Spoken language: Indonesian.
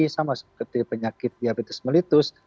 sama seperti penyakit diabetes melitus